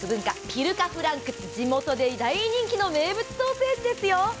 ピルカフランク、地元で大人気の名物ソーセージですよ。